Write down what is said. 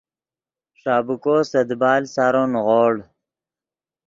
ݰابیکو سے دیبال سارو نیغوڑ